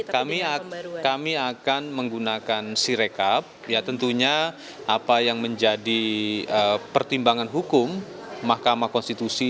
kami akan menggunakan sirekap ya tentunya apa yang menjadi pertimbangan hukum mahkamah konstitusi